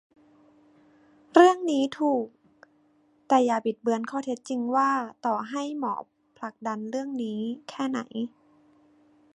เรื่องนี้ถูก แต่อย่าบิดเบือนข้อเท็จจริงว่าต่อให้หมอผลักดันเรื่องนี้แค่ไหน